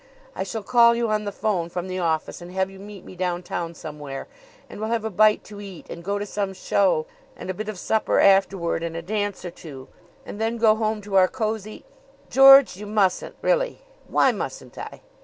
I shall call you on the 'phone from the office and have you meet me down town somewhere, and we'll have a bite to eat and go to some show, and a bit of supper afterward and a dance or two; and then go home to our cozy " "George, you mustn't really!" "Why mustn't I?"